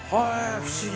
不思議！